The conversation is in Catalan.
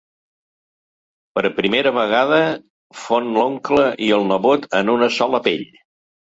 Per primera vegada fon l'oncle i el nebot en una sola pell.